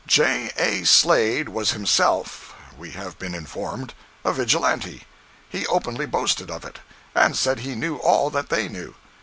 J. A. Slade was himself, we have been informed, a Vigilante; he openly boasted of it, and said he knew all that they knew.